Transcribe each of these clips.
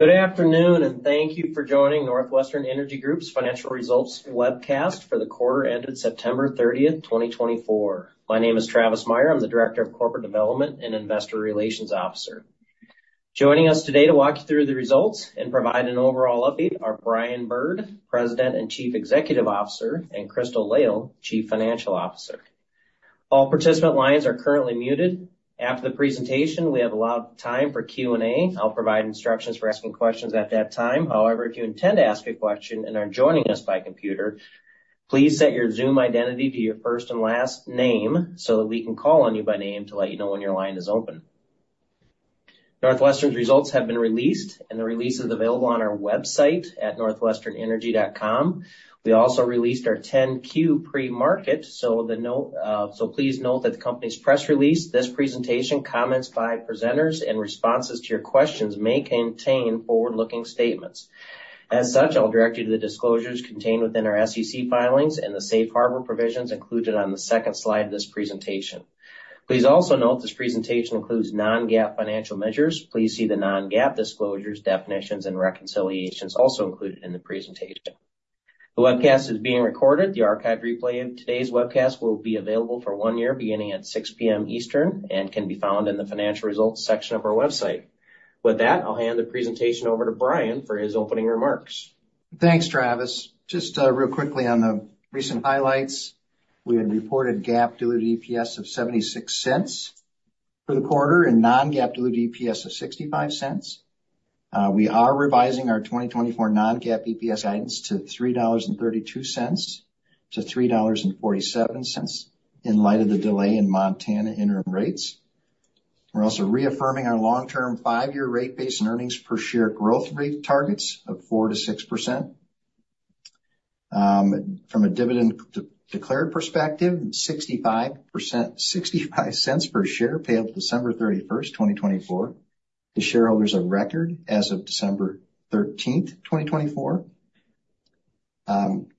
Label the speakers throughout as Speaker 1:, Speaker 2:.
Speaker 1: Good afternoon, and thank you for joining NorthWestern Energy Group's financial results webcast for the quarter ended September 30, 2024. My name is Travis Meyer. I'm the Director of Corporate Development and Investor Relations Officer. Joining us today to walk you through the results and provide an overall update are Brian Bird, President and Chief Executive Officer, and Crystal Lail, Chief Financial Officer. All participant lines are currently muted. After the presentation, we have allowed time for Q&A. I'll provide instructions for asking questions at that time. However, if you intend to ask a question and are joining us by computer, please set your Zoom identity to your first and last name so that we can call on you by name to let you know when your line is open. NorthWestern's results have been released, and the release is available on our website at northwesternenergy.com. We also released our 10-Q pre-market, so please note that the company's press release, this presentation, comments by presenters, and responses to your questions may contain forward-looking statements. As such, I'll direct you to the disclosures contained within our SEC filings and the safe harbor provisions included on the second slide of this presentation. Please also note this presentation includes non-GAAP financial measures. Please see the non-GAAP disclosures, definitions, and reconciliations also included in the presentation. The webcast is being recorded. The archived replay of today's webcast will be available for one year beginning at 6:00 P.M. Eastern and can be found in the financial results section of our website. With that, I'll hand the presentation over to Brian for his opening remarks.
Speaker 2: Thanks, Travis. Just real quickly on the recent highlights. We had reported GAAP diluted EPS of $0.76 for the quarter and non-GAAP diluted EPS of $0.65. We are revising our 2024 non-GAAP EPS guidance to $3.32-$3.47 in light of the delay in Montana interim rates. We're also reaffirming our long-term five-year rate-based earnings per share growth rate targets of 4%-6%. From a dividend declared perspective, $0.65 per share paid December 31, 2024, to shareholders of record as of December 13, 2024.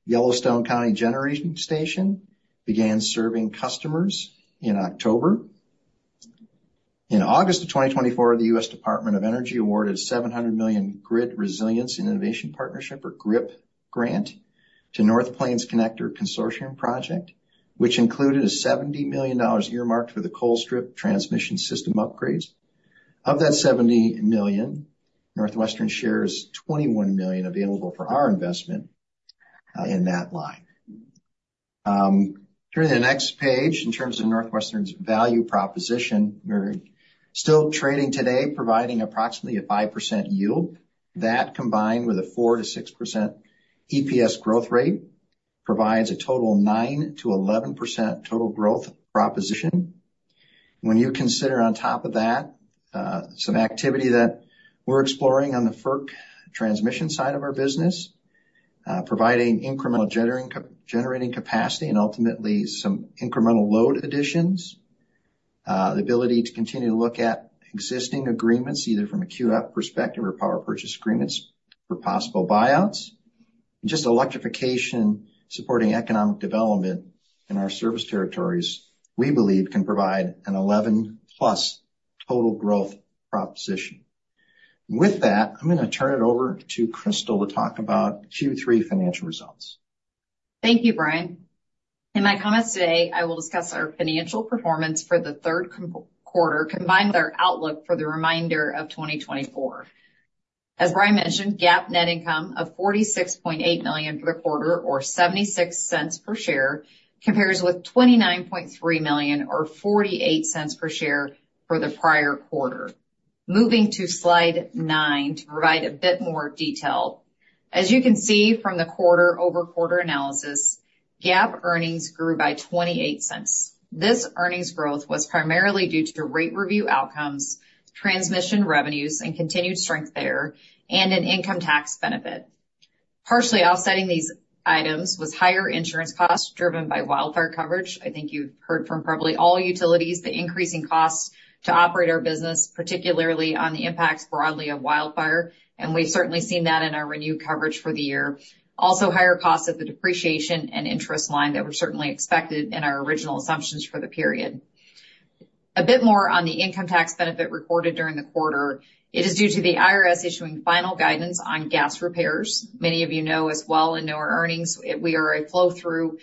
Speaker 2: Yellowstone County Generating Station began serving customers in October. In August of 2024, the U.S. Department of Energy awarded a $700 million Grid Resilience and Innovation Partnership, or GRIP, grant to North Plains Connector Consortium Project, which included a $70 million earmarked for the Colstrip transmission system upgrades. Of that $70 million, NorthWestern shares $21 million available for our investment in that line. During the next page, in terms of NorthWestern's value proposition, we're still trading today, providing approximately a 5% yield. That, combined with a 4%-6% EPS growth rate, provides a total of 9%-11% total growth proposition. When you consider on top of that some activity that we're exploring on the FERC transmission side of our business, providing incremental generating capacity and ultimately some incremental load additions, the ability to continue to look at existing agreements, either from a QF perspective or power purchase agreements for possible buyouts, and just electrification supporting economic development in our service territories, we believe can provide an 11-plus total growth proposition. With that, I'm going to turn it over to Crystal to talk about Q3 financial results.
Speaker 3: Thank you, Brian. In my comments today, I will discuss our financial performance for the third quarter combined with our outlook for the remainder of 2024. As Brian mentioned, GAAP net income of $46.8 million for the quarter, or $0.76 per share, compares with $29.3 million, or $0.48 per share for the prior quarter. Moving to slide nine to provide a bit more detail. As you can see from the quarter-over-quarter analysis, GAAP earnings grew by $0.28. This earnings growth was primarily due to rate review outcomes, transmission revenues, and continued strength there, and an income tax benefit. Partially offsetting these items was higher insurance costs driven by wildfire coverage. I think you've heard from probably all utilities the increasing costs to operate our business, particularly on the impacts broadly of wildfire, and we've certainly seen that in our renewed coverage for the year. Also, higher costs of the depreciation and interest line that were certainly expected in our original assumptions for the period. A bit more on the income tax benefit recorded during the quarter. It is due to the IRS issuing final guidance on gas repairs. Many of you know as well and know our earnings. We are a flow-through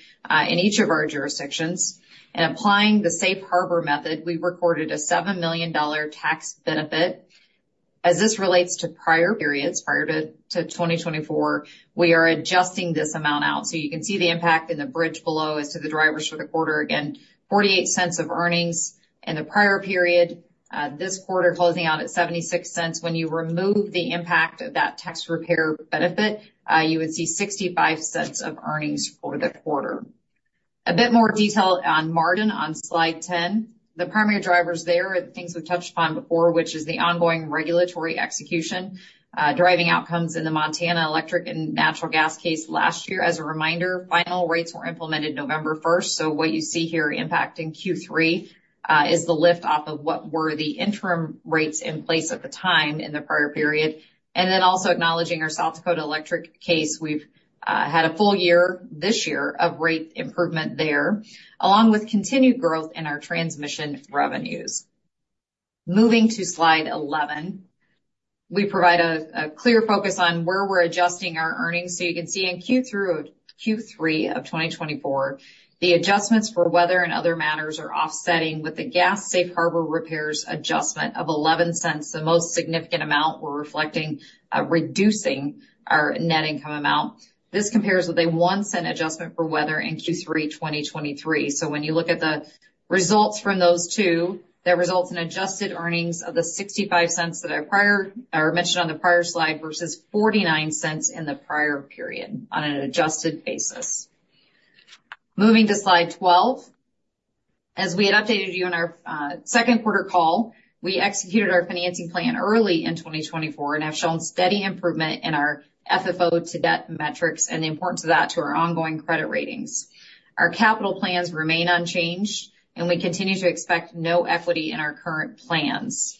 Speaker 3: in each of our jurisdictions. In applying the safe harbor method, we recorded a $7 million tax benefit. As this relates to prior periods, prior to 2024, we are adjusting this amount out. So you can see the impact in the bridge below as to the drivers for the quarter. Again, $0.48 of earnings in the prior period. This quarter closing out at $0.76. When you remove the impact of that tax repair benefit, you would see $0.65 of earnings for the quarter. A bit more detail on margin on slide 10. The primary drivers there are the things we've touched upon before, which is the ongoing regulatory execution, driving outcomes in the Montana electric and natural gas case last year. As a reminder, final rates were implemented November 1st. So what you see here impacting Q3 is the lift off of what were the interim rates in place at the time in the prior period. And then also acknowledging our South Dakota electric case, we've had a full year this year of rate improvement there, along with continued growth in our transmission revenues. Moving to slide 11, we provide a clear focus on where we're adjusting our earnings. So you can see in Q3 of 2024, the adjustments for weather and other matters are offsetting with the gas Safe Harbor repairs adjustment of $0.11. The most significant amount we're reflecting reducing our net income amount. This compares with a $0.01 adjustment for weather in Q3 2023. So when you look at the results from those two, that results in adjusted earnings of the $0.65 that I mentioned on the prior slide versus $0.49 in the prior period on an adjusted basis. Moving to slide 12. As we had updated you in our second quarter call, we executed our financing plan early in 2024 and have shown steady improvement in our FFO to Debt metrics and the importance of that to our ongoing credit ratings. Our capital plans remain unchanged, and we continue to expect no equity in our current plans.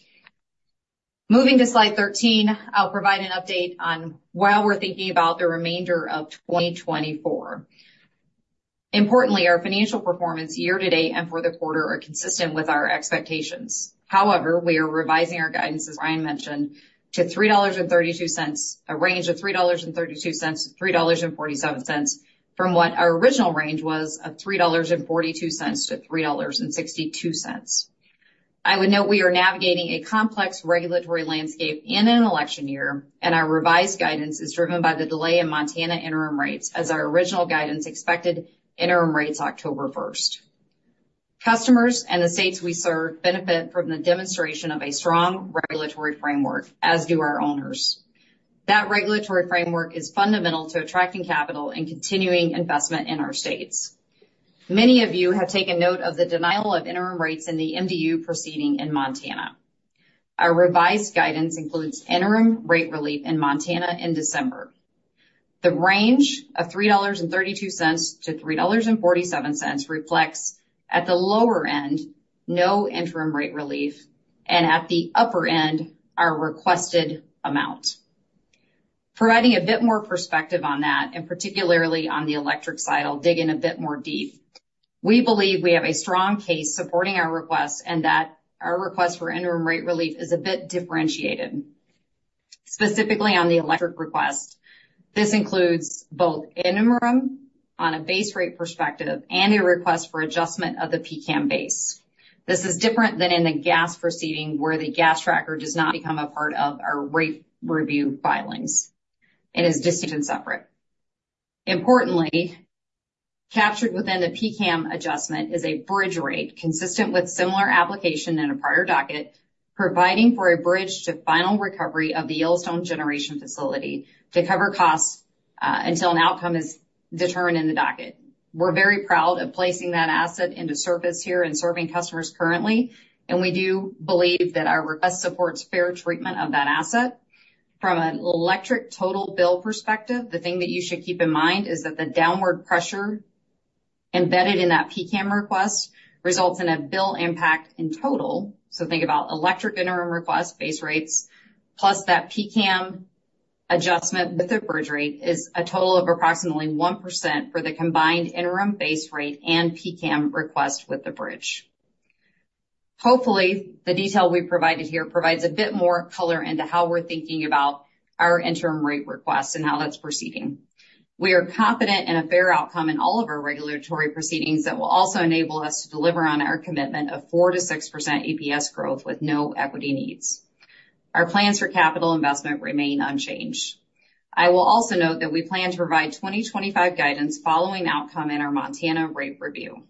Speaker 3: Moving to slide 13, I'll provide an update on what we're thinking about the remainder of 2024. Importantly, our financial performance year to date and for the quarter are consistent with our expectations. However, we are revising our guidance, as Brian mentioned, to $3.32-$3.47 from what our original range was of $3.42-$3.62. I would note we are navigating a complex regulatory landscape in an election year, and our revised guidance is driven by the delay in Montana interim rates as our original guidance expected interim rates October 1st. Customers and the states we serve benefit from the demonstration of a strong regulatory framework, as do our owners. That regulatory framework is fundamental to attracting capital and continuing investment in our states. Many of you have taken note of the denial of interim rates in the MDU proceeding in Montana. Our revised guidance includes interim rate relief in Montana in December. The range of $3.32-$3.47 reflects, at the lower end, no interim rate relief, and at the upper end, our requested amount. Providing a bit more perspective on that, and particularly on the electric side, I'll dig in a bit more deep. We believe we have a strong case supporting our request and that our request for interim rate relief is a bit differentiated, specifically on the electric request. This includes both interim on a base rate perspective and a request for adjustment of the PCAM base. This is different than in the gas proceeding where the gas tracker does not become a part of our rate review filings. It is distinct and separate. Importantly, captured within the PCAM adjustment is a bridge rate consistent with similar application in a prior docket, providing for a bridge to final recovery of the Yellowstone Generating facility to cover costs until an outcome is determined in the docket. We're very proud of placing that asset into service here and serving customers currently, and we do believe that our request supports fair treatment of that asset. From an electric total bill perspective, the thing that you should keep in mind is that the downward pressure embedded in that PCAM request results in a bill impact in total. So think about electric interim request base rates plus that PCAM adjustment with the bridge rate is a total of approximately 1% for the combined interim base rate and PCAM request with the bridge. Hopefully, the detail we provided here provides a bit more color into how we're thinking about our interim rate request and how that's proceeding. We are confident in a fair outcome in all of our regulatory proceedings that will also enable us to deliver on our commitment of 4%-6% EPS growth with no equity needs. Our plans for capital investment remain unchanged. I will also note that we plan to provide 2025 guidance following outcome in our Montana rate review.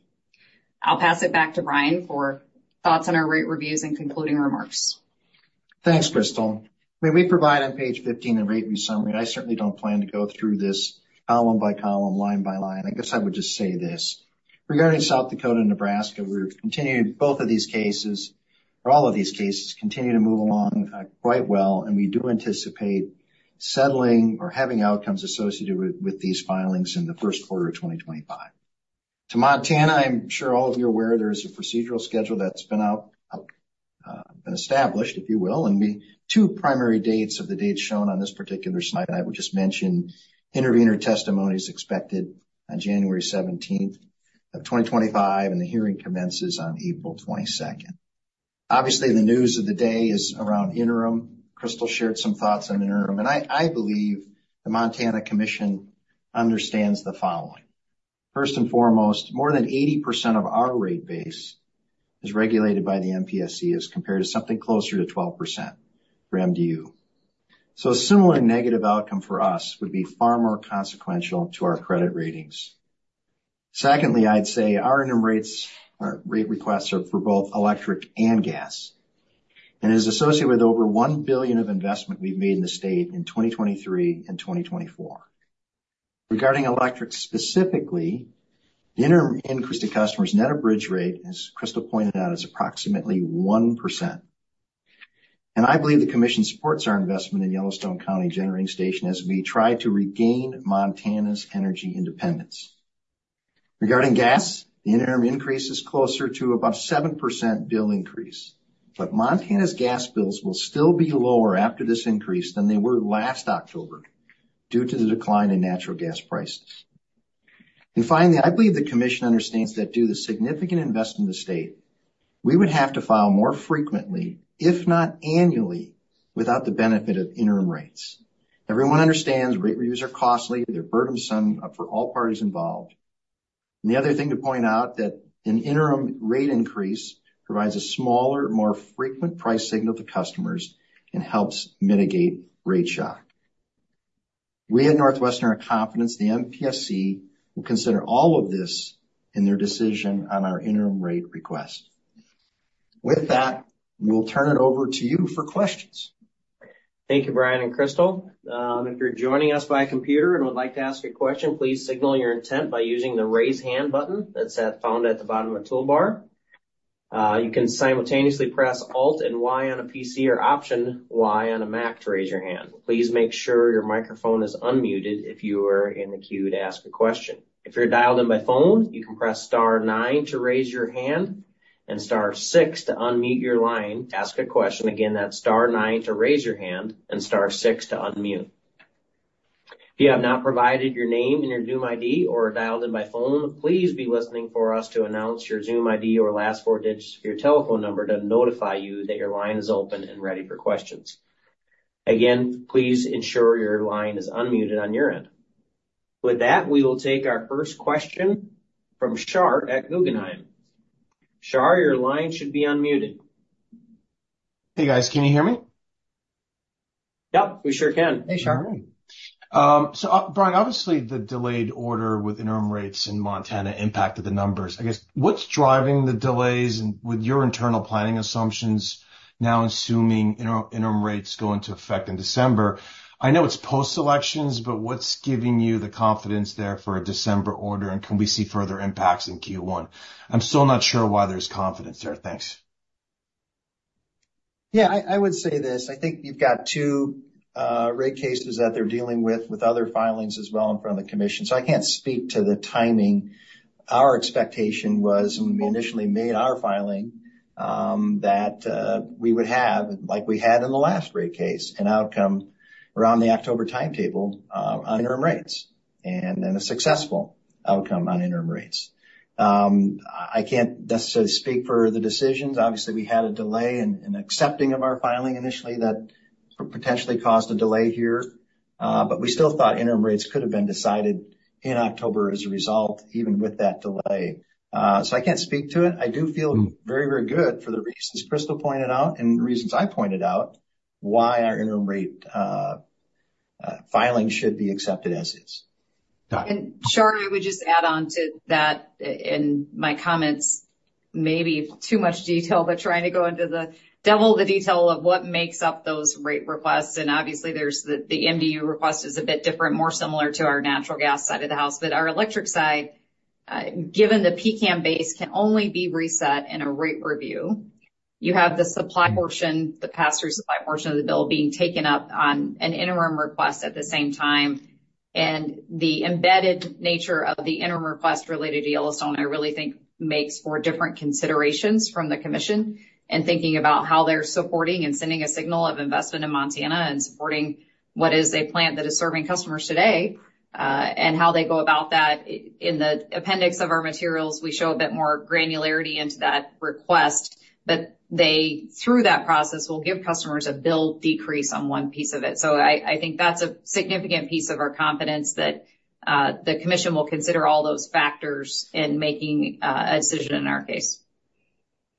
Speaker 3: I'll pass it back to Brian for thoughts on our rate reviews and concluding remarks.
Speaker 2: Thanks, Crystal. I mean, we provide on page 15 a rate summary. I certainly don't plan to go through this column by column, line by line. I guess I would just say this. Regarding South Dakota and Nebraska, we're continuing both of these cases, or all of these cases, continue to move along quite well, and we do anticipate settling or having outcomes associated with these filings in the first quarter of 2025. To Montana, I'm sure all of you are aware, there is a procedural schedule that's been established, if you will, and the two primary dates of the dates shown on this particular slide, and I would just mention intervenor testimonies expected on January 17th of 2025, and the hearing commences on April 22nd. Obviously, the news of the day is around interim. Crystal shared some thoughts on interim, and I believe the Montana Commission understands the following. First and foremost, more than 80% of our rate base is regulated by the MPSC as compared to something closer to 12% for MDU. So a similar negative outcome for us would be far more consequential to our credit ratings. Secondly, I'd say our interim rates or rate requests are for both electric and gas, and it is associated with over $1 billion of investment we've made in the state in 2023 and 2024. Regarding electric specifically, the interim increase to customers net of a bridge rate is, Crystal pointed out, approximately 1%. And I believe the Commission supports our investment in Yellowstone County Generating Station as we try to regain Montana's energy independence. Regarding gas, the interim increase is closer to about a 7% bill increase, but Montana's gas bills will still be lower after this increase than they were last October due to the decline in natural gas prices. And finally, I believe the Commission understands that due to the significant investment in the state, we would have to file more frequently, if not annually, without the benefit of interim rates. Everyone understands rate reviews are costly. They're burdensome for all parties involved, and the other thing to point out is that an interim rate increase provides a smaller, more frequent price signal to customers and helps mitigate rate shock. We at NorthWestern are confident the MPSC will consider all of this in their decision on our interim rate request. With that, we'll turn it over to you for questions.
Speaker 4: Thank you, Brian and Crystal. If you're joining us by computer and would like to ask a question, please signal your intent by using the raise hand button that's found at the bottom of the toolbar. You can simultaneously press Alt and Y on a PC or Option Y on a Mac to raise your hand. Please make sure your microphone is unmuted if you are in the queue to ask a question. If you're dialed in by phone, you can press Star 9 to raise your hand and Star 6 to unmute your line. Ask a question. Again, that's Star 9 to raise your hand and Star 6 to unmute. If you have not provided your name and your Zoom ID or are dialed in by phone, please be listening for us to announce your Zoom ID or last four digits of your telephone number to notify you that your line is open and ready for questions. Again, please ensure your line is unmuted on your end. With that, we will take our first question from Shar at Guggenheim. Shar, your line should be unmuted.
Speaker 5: Hey, guys. Can you hear me?
Speaker 4: Yep, we sure can.
Speaker 3: Hey, Shar.
Speaker 5: All right. So Brian, obviously, the delayed order with interim rates in Montana impacted the numbers. I guess what's driving the delays with your internal planning assumptions now assuming interim rates go into effect in December? I know it's post-elections, but what's giving you the confidence there for a December order, and can we see further impacts in Q1? I'm still not sure why there's confidence there. Thanks.
Speaker 2: Yeah, I would say this. I think you've got two rate cases that they're dealing with other filings as well in front of the Commission. So I can't speak to the timing. Our expectation was when we initially made our filing that we would have, like we had in the last rate case, an outcome around the October timetable on interim rates and a successful outcome on interim rates. I can't necessarily speak for the decisions. Obviously, we had a delay in accepting of our filing initially that potentially caused a delay here, but we still thought interim rates could have been decided in October as a result, even with that delay. So I can't speak to it. I do feel very, very good for the reasons Crystal pointed out and the reasons I pointed out why our interim rate filing should be accepted as is.
Speaker 3: And Shar, I would just add on to that in my comments, maybe too much detail, but trying to go into the devil, the detail of what makes up those rate requests. And obviously, the MDU request is a bit different, more similar to our natural gas side of the house. But our electric side, given the PCAM base, can only be reset in a rate review. You have the supply portion, the pass-through supply portion of the bill being taken up on an interim request at the same time. And the embedded nature of the interim request related to Yellowstone, I really think, makes for different considerations from the Commission in thinking about how they're supporting and sending a signal of investment in Montana and supporting what is a plant that is serving customers today and how they go about that. In the appendix of our materials, we show a bit more granularity into that request, but they, through that process, will give customers a bill decrease on one piece of it. So I think that's a significant piece of our confidence that the Commission will consider all those factors in making a decision in our case.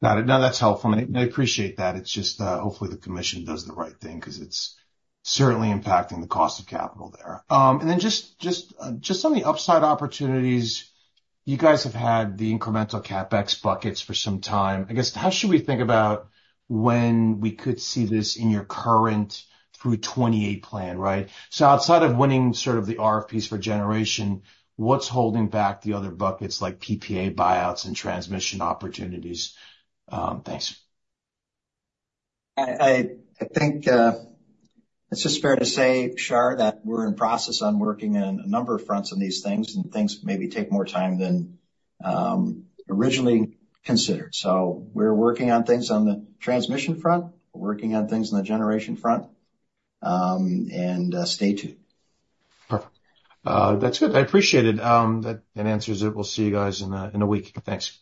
Speaker 5: Got it. No, that's helpful. I appreciate that. It's just hopefully the Commission does the right thing because it's certainly impacting the cost of capital there. And then just on the upside opportunities, you guys have had the incremental CapEx buckets for some time. I guess how should we think about when we could see this in your current through 2028 plan, right? So outside of winning sort of the RFPs for generation, what's holding back the other buckets like PPA buyouts and transmission opportunities? Thanks.
Speaker 2: I think it's just fair to say, Shar, that we're in process on working on a number of fronts on these things, and things maybe take more time than originally considered, so we're working on things on the transmission front, working on things on the generation front, and stay tuned.
Speaker 5: Perfect. That's good. I appreciate it. That answers it. We'll see you guys in a week. Thanks.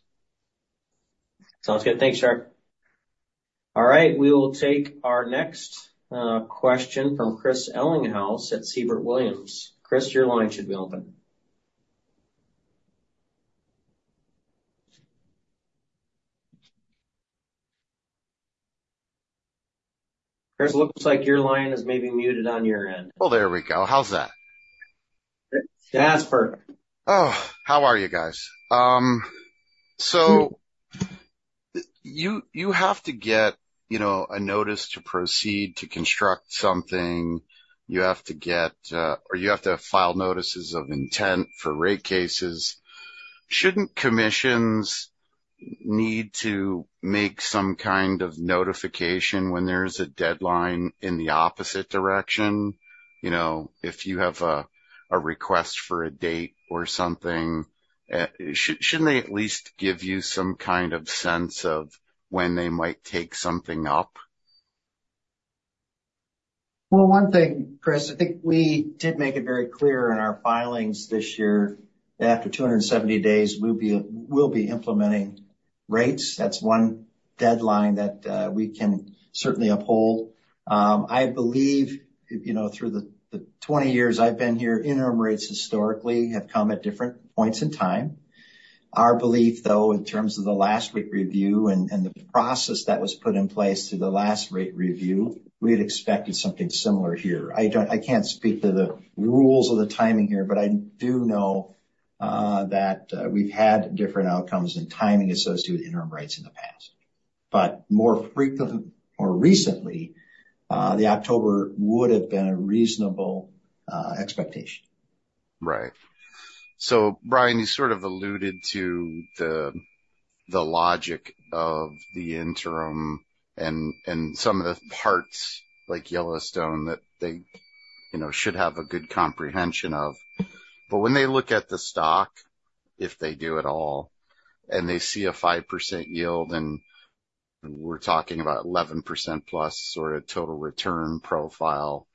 Speaker 4: Sounds good. Thanks, Shar. All right. We will take our next question from Chris Ellinghaus at Siebert Williams. Chris, your line should be open. Chris, it looks like your line is maybe muted on your end.
Speaker 6: Oh, there we go. How's that?
Speaker 4: That's perfect.
Speaker 6: Oh, how are you guys? So you have to get a notice to proceed to construct something. You have to get or you have to file notices of intent for rate cases. Shouldn't commissions need to make some kind of notification when there's a deadline in the opposite direction? If you have a request for a date or something, shouldn't they at least give you some kind of sense of when they might take something up?
Speaker 2: One thing, Chris, I think we did make it very clear in our filings this year that after 270 days, we'll be implementing rates. That's one deadline that we can certainly uphold. I believe through the 20 years I've been here, interim rates historically have come at different points in time. Our belief, though, in terms of the last rate review and the process that was put in place to the last rate review, we had expected something similar here. I can't speak to the rules of the timing here, but I do know that we've had different outcomes and timing associated with interim rates in the past. But more recently, the October would have been a reasonable expectation.
Speaker 6: Right. So Brian, you sort of alluded to the logic of the interim and some of the parts like Yellowstone that they should have a good comprehension of. But when they look at the stock, if they do at all, and they see a 5% yield and we're talking about 11% plus sort of total return profile,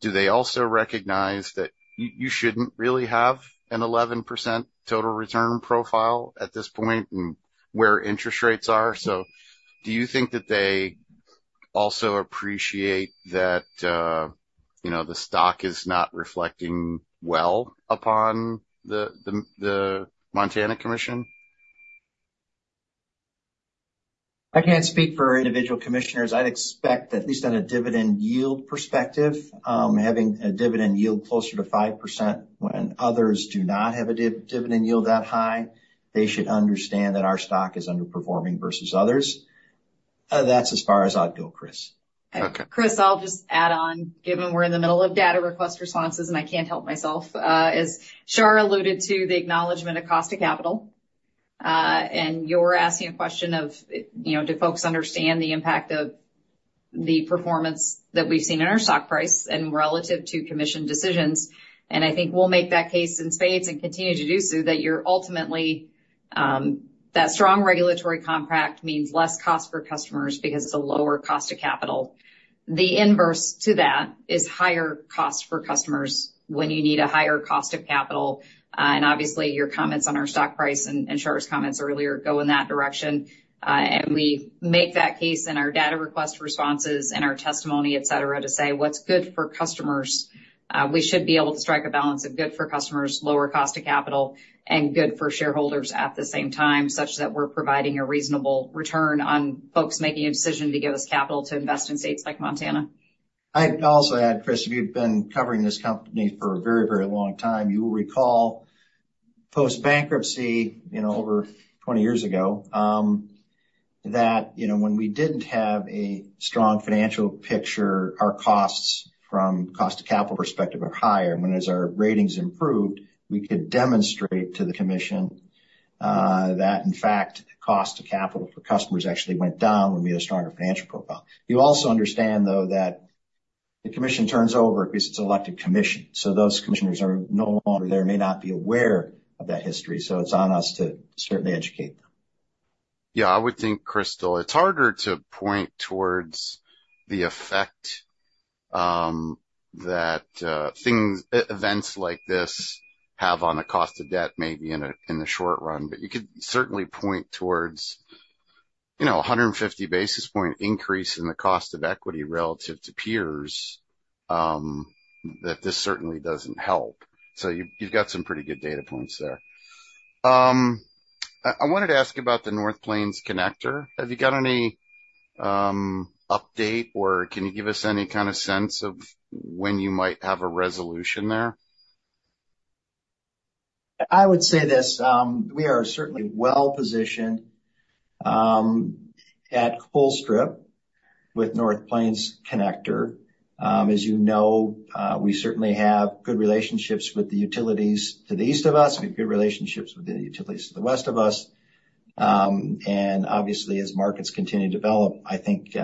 Speaker 6: do they also recognize that you shouldn't really have an 11% total return profile at this point and where interest rates are? So do you think that they also appreciate that the stock is not reflecting well upon the Montana Commission?
Speaker 2: I can't speak for individual commissioners. I'd expect that at least on a dividend yield perspective, having a dividend yield closer to 5% when others do not have a dividend yield that high, they should understand that our stock is underperforming versus others. That's as far as I'd go, Chris.
Speaker 6: Okay.
Speaker 3: Chris, I'll just add on, given we're in the middle of data request responses and I can't help myself, as Shar alluded to the acknowledgment of cost of capital, and you're asking a question of, do folks understand the impact of the performance that we've seen in our stock price and relative to commission decisions? And I think we'll make that case in spades and continue to do so that you're ultimately that strong regulatory compact means less cost for customers because it's a lower cost of capital. The inverse to that is higher cost for customers when you need a higher cost of capital. And obviously, your comments on our stock price and Shar's comments earlier go in that direction. And we make that case in our data request responses and our testimony, etc., to say what's good for customers. We should be able to strike a balance of good for customers, lower cost of capital, and good for shareholders at the same time, such that we're providing a reasonable return on folks making a decision to give us capital to invest in states like Montana.
Speaker 2: I'd also add, Chris, if you've been covering this company for a very, very long time, you will recall post-bankruptcy over 20 years ago that when we didn't have a strong financial picture, our costs from cost of capital perspective are higher, and when our ratings improved, we could demonstrate to the Commission that, in fact, cost of capital for customers actually went down when we had a stronger financial profile. You also understand, though, that the Commission turns over because it's an elected commission, so those commissioners are no longer there, may not be aware of that history, so it's on us to certainly educate them.
Speaker 6: Yeah, I would think, Crystal, it's harder to point towards the effect that events like this have on the cost of debt maybe in the short run. But you could certainly point towards a 150 basis points increase in the cost of equity relative to peers that this certainly doesn't help. So you've got some pretty good data points there. I wanted to ask about the North Plains Connector. Have you got any update, or can you give us any kind of sense of when you might have a resolution there?
Speaker 2: I would say this. We are certainly well positioned at Colstrip with North Plains Connector. As you know, we certainly have good relationships with the utilities to the east of us. We have good relationships with the utilities to the west of us. And obviously, as markets continue to develop, I think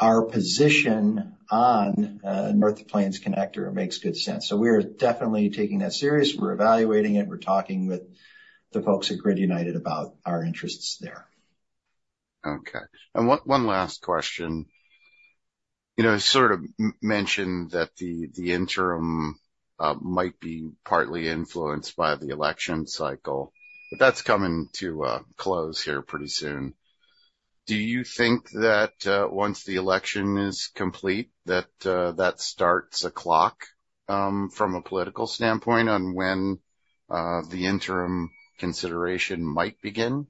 Speaker 2: our position on North Plains Connector makes good sense. So we are definitely taking that seriously. We're evaluating it. We're talking with the folks at Grid United about our interests there.
Speaker 6: Okay. And one last question. You sort of mentioned that the interim might be partly influenced by the election cycle, but that's coming to a close here pretty soon. Do you think that once the election is complete, that starts a clock from a political standpoint on when the interim consideration might begin?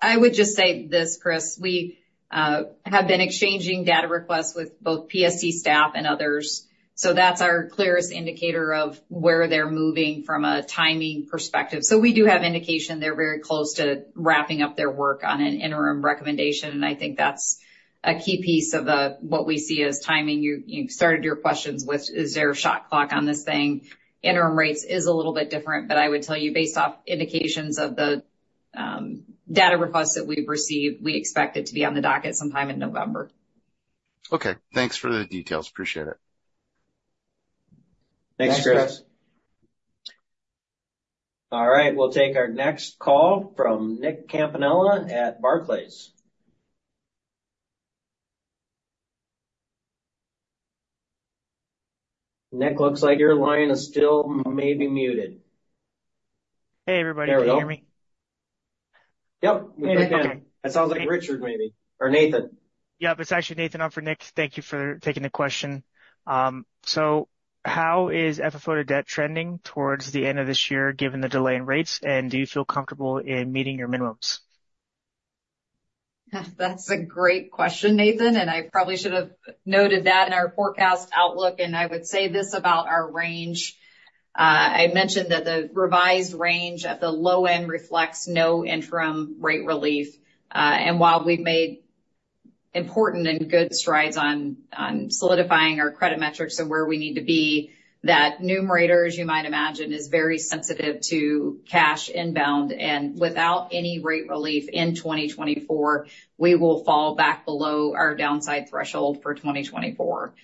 Speaker 3: I would just say this, Chris. We have been exchanging data requests with both PSC staff and others. So that's our clearest indicator of where they're moving from a timing perspective. So we do have indication they're very close to wrapping up their work on an interim recommendation. And I think that's a key piece of what we see as timing. You started your questions with, "Is there a shot clock on this thing?" Interim rates is a little bit different, but I would tell you, based off indications of the data requests that we've received, we expect it to be on the docket sometime in November.
Speaker 6: Okay. Thanks for the details. Appreciate it.
Speaker 4: Thanks, Chris.
Speaker 2: Thanks, Chris.
Speaker 4: All right. We'll take our next call from Nick Campanella at Barclays. Nick, looks like your line is still maybe muted.
Speaker 7: Hey, everybody. Can you hear me?
Speaker 4: Yep. We can hear you. That sounds like Richard maybe, or Nathan.
Speaker 7: Yep. It's actually Nathan. I'm for Nick. Thank you for taking the question. So how is FFO to Debt trending towards the end of this year given the delay in rates, and do you feel comfortable in meeting your minimums?
Speaker 3: That's a great question, Nathan, and I probably should have noted that in our forecast outlook. I would say this about our range. I mentioned that the revised range at the low end reflects no interim rate relief. While we've made important and good strides on solidifying our credit metrics and where we need to be, that numerator, as you might imagine, is very sensitive to cash inbound. Without any rate relief in 2024, we will fall back below our downside threshold for 2024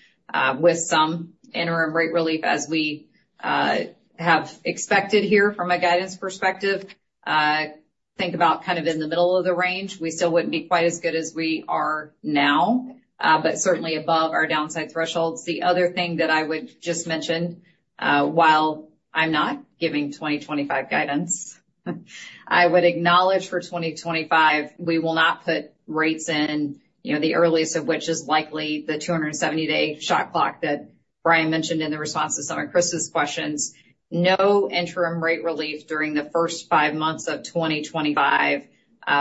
Speaker 3: with some interim rate relief, as we have expected here from a guidance perspective. Think about kind of in the middle of the range. We still wouldn't be quite as good as we are now, but certainly above our downside thresholds. The other thing that I would just mention, while I'm not giving 2025 guidance, I would acknowledge for 2025, we will not put rates in, the earliest of which is likely the 270-day shot clock that Brian mentioned in the response to some of Chris's questions. No interim rate relief during the first five months of 2025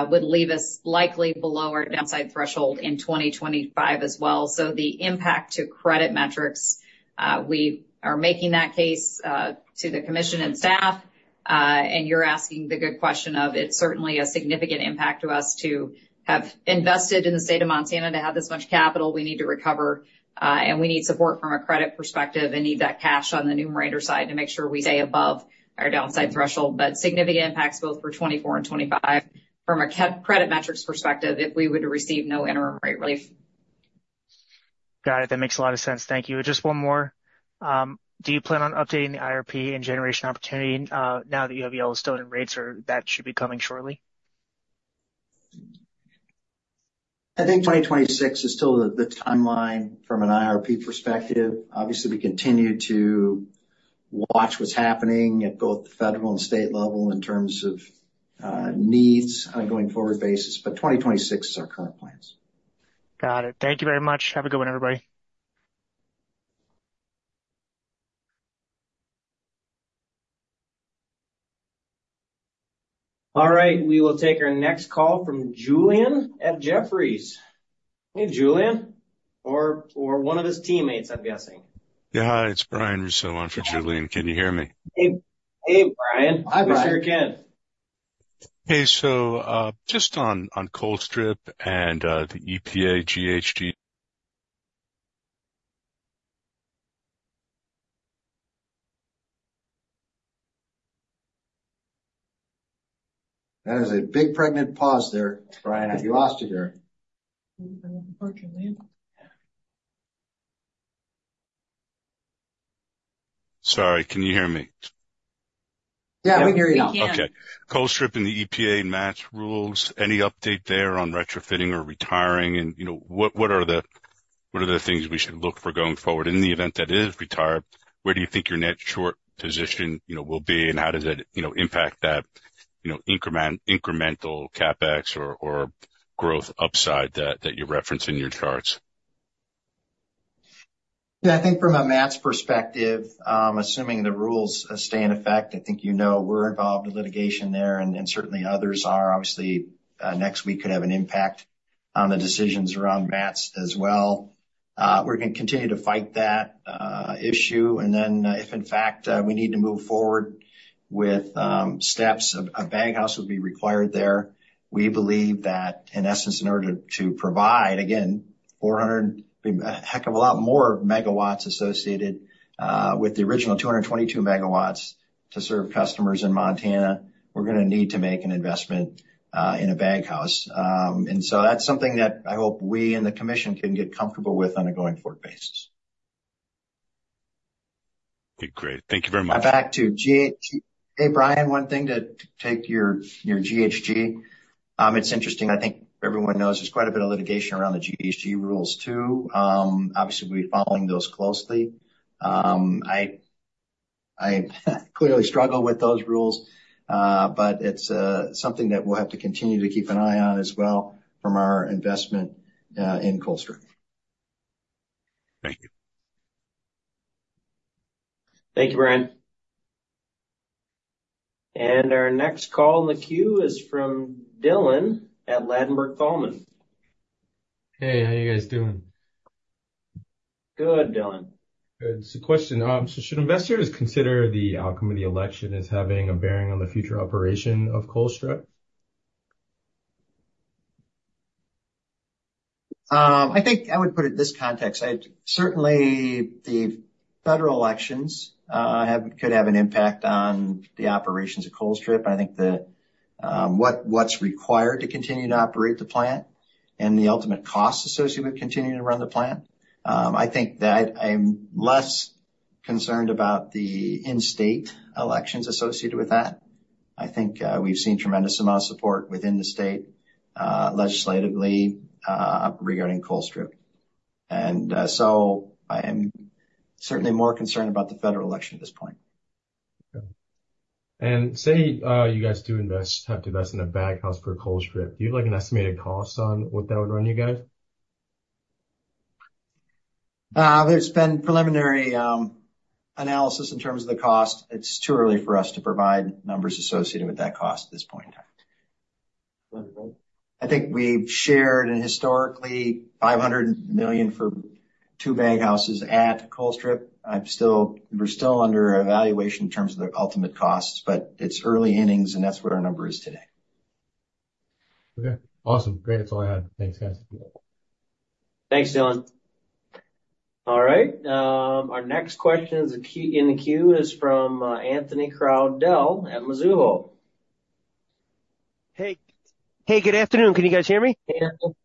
Speaker 3: would leave us likely below our downside threshold in 2025 as well, so the impact to credit metrics, we are making that case to the Commission and staff, and you're asking the good question of it's certainly a significant impact to us to have invested in the state of Montana to have this much capital. We need to recover, and we need support from a credit perspective and need that cash on the numerator side to make sure we stay above our downside threshold. But significant impacts both for 2024 and 2025 from a credit metrics perspective if we were to receive no interim rate relief.
Speaker 7: Got it. That makes a lot of sense. Thank you. Just one more. Do you plan on updating the IRP and generation opportunity now that you have Yellowstone and rates that should be coming shortly?
Speaker 2: I think 2026 is still the timeline from an IRP perspective. Obviously, we continue to watch what's happening at both the federal and state level in terms of needs on a going forward basis. But 2026 is our current plans.
Speaker 7: Got it. Thank you very much. Have a good one, everybody.
Speaker 4: All right. We will take our next call from Julien at Jefferies. Hey, Julien, or one of his teammates, I'm guessing.
Speaker 8: Yeah, it's Brian Russo on for Julien. Can you hear me?
Speaker 4: Hey, Brian.
Speaker 2: Hi, Brian.
Speaker 4: Yes we can.
Speaker 8: Hey, so just on Colstrip and the EPA GHG.
Speaker 2: That is a big pregnant pause there, Brian. You lost your ear.
Speaker 8: Sorry, can you hear me?
Speaker 4: Yeah, we can hear you now.
Speaker 8: Okay. Colstrip and the EPA MATS rules. Any update there on retrofitting or retiring? And what are the things we should look for going forward? In the event that is retired, where do you think your net short position will be, and how does that impact that incremental CapEx or growth upside that you're referencing in your charts?
Speaker 2: Yeah, I think from a MATS perspective, assuming the rules stay in effect, I think you know we're involved in litigation there, and certainly others are. Obviously, next week could have an impact on the decisions around MATS as well. We're going to continue to fight that issue. And then if, in fact, we need to move forward with steps, a baghouse would be required there. We believe that, in essence, in order to provide, again, 400, a heck of a lot more megawatts associated with the original 222 megawatts to serve customers in Montana, we're going to need to make an investment in a baghouse. And so that's something that I hope we and the Commission can get comfortable with on a going forward basis.
Speaker 8: Okay, great. Thank you very much.
Speaker 2: Back to GHG. Hey, Brian, one thing to take your GHG. It's interesting. I think everyone knows there's quite a bit of litigation around the GHG rules too. Obviously, we're following those closely. I clearly struggle with those rules, but it's something that we'll have to continue to keep an eye on as well from our investment in Colstrip.
Speaker 8: Thank you.
Speaker 4: Thank you, Brian. And our next call on the queue is from Dylan at Ladenburg Thalmann.
Speaker 9: Hey, how are you guys doing?
Speaker 4: Good, Dylan.
Speaker 9: Good. So question. So should investors consider the outcome of the election as having a bearing on the future operation of Colstrip?
Speaker 2: I think I would put it in this context. Certainly, the federal elections could have an impact on the operations of Colstrip. I think what's required to continue to operate the plant and the ultimate costs associated with continuing to run the plant. I think that I'm less concerned about the in-state elections associated with that. I think we've seen a tremendous amount of support within the state legislatively regarding Colstrip. And so I am certainly more concerned about the federal election at this point.
Speaker 9: Okay. And say you guys do invest, have to invest in a baghouse for Colstrip. Do you have an estimated cost on what that would run you guys?
Speaker 2: There's been preliminary analysis in terms of the cost. It's too early for us to provide numbers associated with that cost at this point in time. I think we've shared historically $500 million for two baghouses at Colstrip. We're still under evaluation in terms of the ultimate costs, but it's early innings, and that's what our number is today.
Speaker 9: Okay. Awesome. Great. That's all I had. Thanks, guys.
Speaker 4: Thanks, Dylan. All right. Our next question in the queue is from Anthony Crowdell at Mizuho.
Speaker 10: Hey. Hey, good afternoon. Can you guys hear me?
Speaker 4: Hey, Anthony.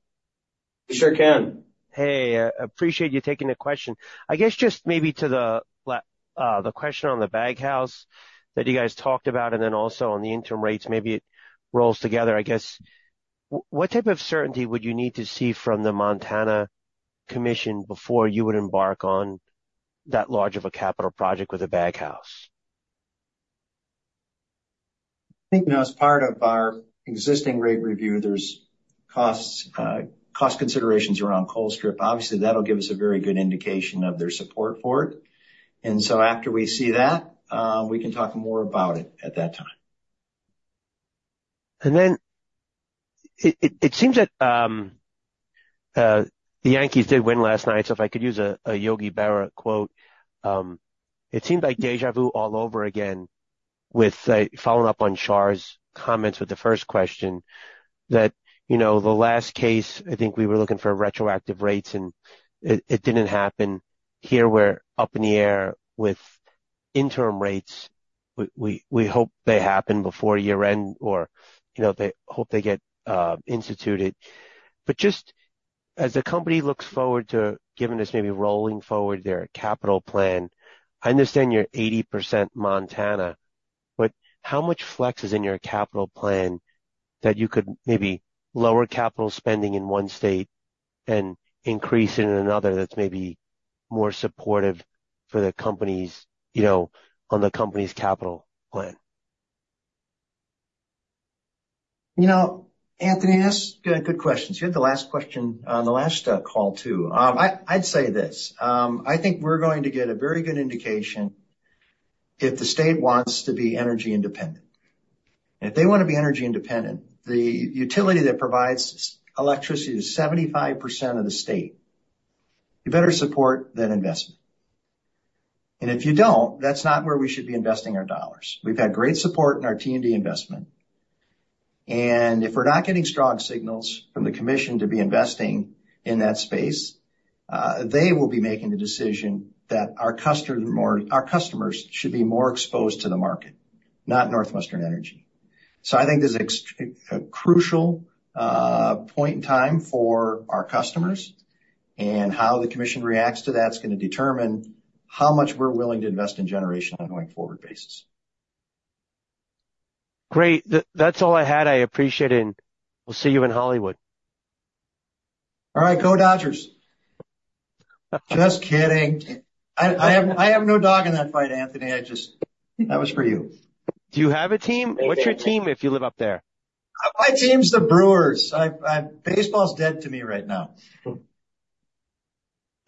Speaker 2: We sure can.
Speaker 10: Hey. Appreciate you taking the question. I guess just maybe to the question on the baghouse that you guys talked about, and then also on the interim rates, maybe it rolls together. I guess, what type of certainty would you need to see from the Montana Commission before you would embark on that large of a capital project with a baghouse?
Speaker 2: I think as part of our existing rate review, there's cost considerations around Colstrip. Obviously, that'll give us a very good indication of their support for it. And so after we see that, we can talk more about it at that time.
Speaker 10: And then it seems that the Yankees did win last night. So if I could use a Yogi Berra quote, it seemed like déjà vu all over again, following up on Shar's comments with the first question. In the last case, I think we were looking for retroactive rates, and it didn't happen. Here we're up in the air with interim rates. We hope they happen before year-end or they hope they get instituted. But just as a company looks forward to, given this maybe rolling forward, their capital plan, I understand you're 80% Montana, but how much flex is in your capital plan that you could maybe lower capital spending in one state and increase it in another that's maybe more supportive for the companies on the company's capital plan?
Speaker 2: Anthony, that's a good question. You had the last question on the last call too. I'd say this. I think we're going to get a very good indication if the state wants to be energy independent. If they want to be energy independent, the utility that provides electricity to 75% of the state, you better support that investment. And if you don't, that's not where we should be investing our dollars. We've had great support in our T&D investment. And if we're not getting strong signals from the Commission to be investing in that space, they will be making the decision that our customers should be more exposed to the market, not NorthWestern Energy. So I think this is a crucial point in time for our customers, and how the Commission reacts to that's going to determine how much we're willing to invest in generation on a going forward basis.
Speaker 10: Great. That's all I had. I appreciate it, and we'll see you in Hollywood.
Speaker 2: All right. Go Dodgers. Just kidding. I have no dog in that fight, Anthony. That was for you.
Speaker 10: Do you have a team? What's your team if you live up there?
Speaker 2: My team's the Brewers. Baseball's dead to me right now.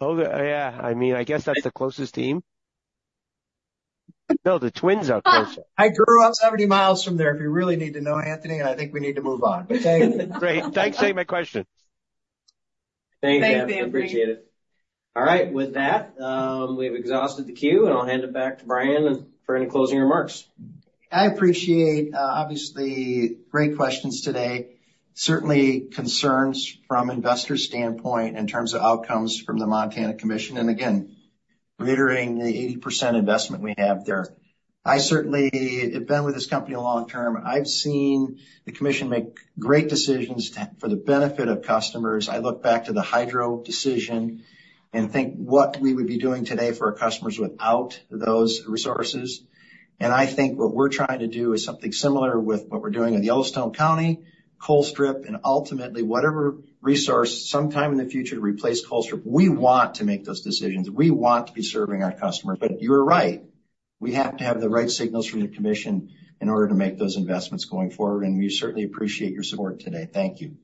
Speaker 10: Oh, yeah. I mean, I guess that's the closest team. No, the Twins are closer.
Speaker 2: I grew up 70 miles from there if you really need to know, Anthony, and I think we need to move on.
Speaker 10: Thanks for taking my question.
Speaker 3: Thank you, Anthony.
Speaker 2: Thanks, Anthony. Appreciate it.
Speaker 4: All right. With that, we've exhausted the queue, and I'll hand it back to Brian for any closing remarks.
Speaker 2: I appreciate obviously great questions today. Certainly concerns from an investor standpoint in terms of outcomes from the Montana Commission. And again, reiterating the 80% investment we have there. I certainly have been with this company a long time. I've seen the Commission make great decisions for the benefit of customers. I look back to the hydro decision and think what we would be doing today for our customers without those resources. I think what we're trying to do is something similar with what we're doing with Yellowstone County, Colstrip, and ultimately whatever resource sometime in the future to replace Colstrip. We want to make those decisions. We want to be serving our customers. You're right. We have to have the right signals from the Commission in order to make those investments going forward. We certainly appreciate your support today. Thank you.